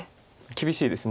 厳しいです。